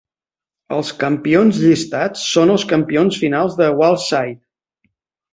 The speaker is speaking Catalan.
Els campions llistats són els campions finals de Wildside.